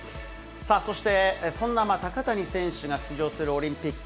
そして、そんな高谷選手が出場するオリンピック。